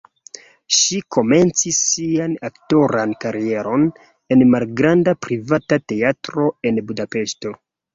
Ŝi komencis sian aktoran karieron en malgranda privata teatro en Budapeŝto.